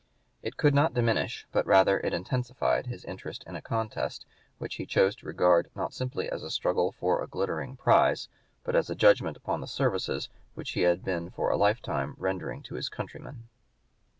It could not diminish but rather it intensified his interest in a contest which he chose to regard not simply as a struggle for a glittering (p. 168) prize but as a judgment upon the services which he had been for a lifetime rendering to his countrymen.